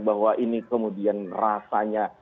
bahwa ini kemudian rasanya